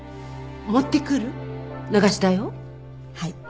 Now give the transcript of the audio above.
はい。